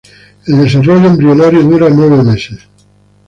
El desarrollo embrionario dura nueve meses.